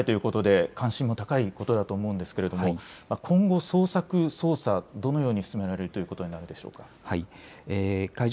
特にこれから連休前ということで関心が高いことだと思うんですが今後捜索、捜査、どのように進められるということになるでしょうか。